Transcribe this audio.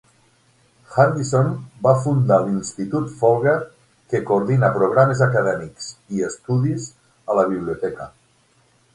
Hardison va fundar l'institut Folger, que coordina programes acadèmics i estudis a la Biblioteca.